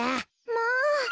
まあ。